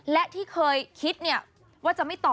และที่เคยคิดว่าจะไม่ต่อ